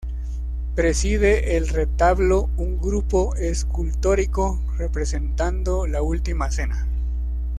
Preside el retablo un grupo escultórico representando la Última Cena.